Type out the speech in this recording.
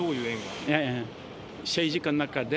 政治家の中で。